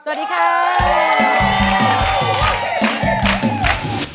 สวัสดีครับ